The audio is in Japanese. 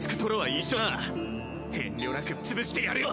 遠慮なくぶっ潰してやるよ！